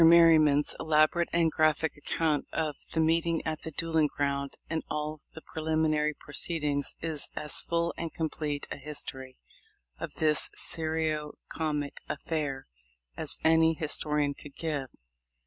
Merryman's elaborate and graphic account of the meeting at the duelling ground and all the pre liminary proceedings is as full and complete a his tory of this serio comic affair as any historian could give.